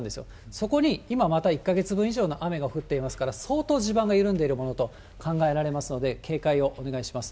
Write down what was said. そこに今また１か月分以上の雨が降っていますから、相当地盤が緩んでいるものと考えられますので、警戒をお願いします。